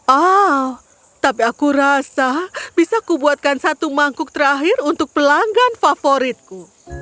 oh tapi aku rasa bisa kubuatkan satu mangkuk terakhir untuk pelanggan favoritku